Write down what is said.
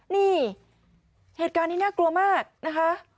นี่เหตุการณ์นี้น่ากลัวมากนะคะ